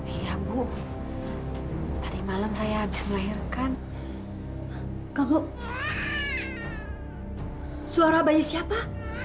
ayah bu tadi malam saya habis melahirkan kamu suara bayi siapa